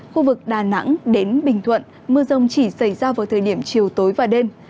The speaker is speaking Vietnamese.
khu vực đà nẵng đến bình thuận mưa rông chỉ xảy ra vào thời điểm chiều tối và đêm